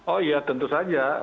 oh ya tentu saja